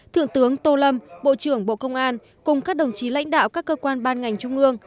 thượng tướng tô lâm bộ trưởng bộ công an cùng các đồng chí lãnh đạo các cơ quan ban ngành trung ương